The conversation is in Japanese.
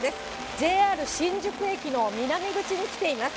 ＪＲ新宿駅の南口に来ています。